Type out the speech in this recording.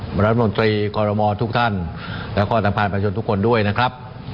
บริธิคอลโลมอล์ทุกท่านและก็ทำพารประชุนทุกคนด้วยนะครับ